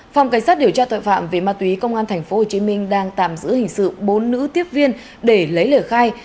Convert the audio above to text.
phòng cảnh sát điều tra tội phạm về ma túy công an tp hcm đang tạm giữ hình sự bốn nữ tiếp viên để lấy lời khai